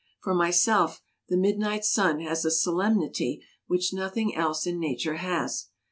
For myself the mid night sun has a solemnity which nothing else in nature has.